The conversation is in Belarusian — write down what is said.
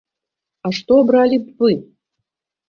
А што абралі б вы?